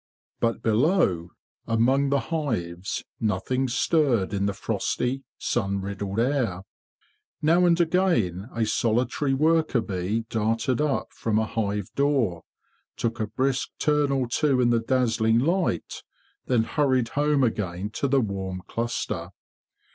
But below, among the hives, nothing stirred in the frosty, sun riddled air. Now and again a solitary worker bee darted up from a hive door, took a brisk turn or two in the dazzling light, then hurried home again to the warm cluster.